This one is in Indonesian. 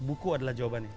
buku adalah jawabannya